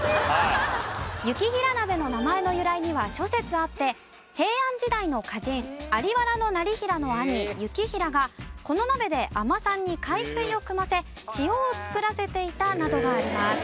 ゆき平鍋の名前の由来には諸説あって平安時代の歌人在原業平の兄行平がこの鍋で海女さんに海水をくませ塩を作らせていたなどがあります。